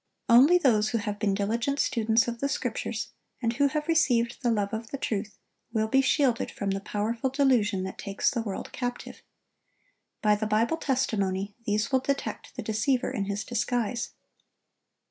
Only those who have been diligent students of the Scriptures, and who have received the love of the truth, will be shielded from the powerful delusion that takes the world captive. By the Bible testimony these will detect the deceiver in his disguise.